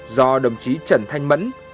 do đồng chí trần thanh mẫn